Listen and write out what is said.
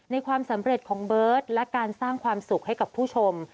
ความสำเร็จของเบิร์ตและการสร้างความสุขให้กับผู้ชม